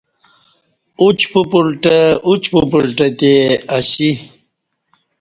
ا چ پپلٹہ اچ پپلٹہ تے ا سی